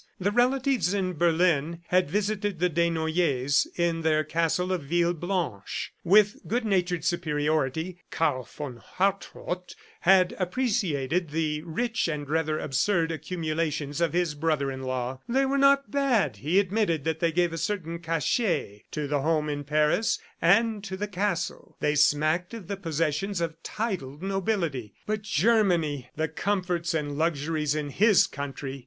The relatives in Berlin had visited the Desnoyers in their castle of Villeblanche. With good natured superiority, Karl von Hartrott had appreciated the rich and rather absurd accumulations of his brother in law. They were not bad; he admitted that they gave a certain cachet to the home in Paris and to the castle. They smacked of the possessions of titled nobility. But Germany! ... The comforts and luxuries in his country! ..